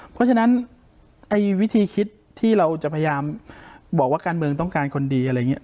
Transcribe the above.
เพราะฉะนั้นไอ้วิธีคิดที่เราจะพยายามบอกว่าการเมืองต้องการคนดีอะไรอย่างนี้